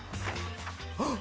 あっ！